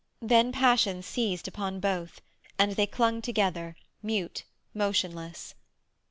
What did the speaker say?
Then passion seized upon both, and they clung together, mute, motionless.